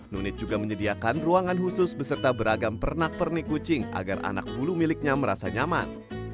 nunit juga menyediakan ruangan khusus beserta beragam pernak pernik kucing agar anak bulu miliknya merasa nyaman